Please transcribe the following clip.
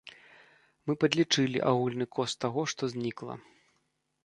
Мы падлічылі агульны кошт таго, што знікла.